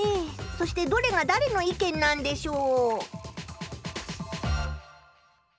そしてどれがだれの意見なんでしょう？